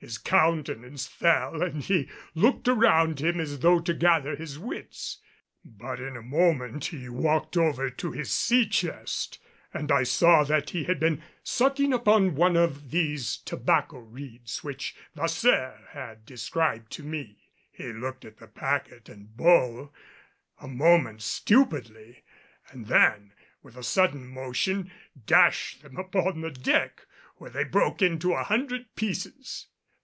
His countenance fell and he looked around him as though to gather his wits. But in a moment he walked over to his sea chest, and I saw that he had been sucking upon one of these tobacco reeds which Vasseur had described to me. He looked at the packet and bowl a moment stupidly and then, with a sudden motion, dashed them upon the deck, where they broke into a hundred pieces.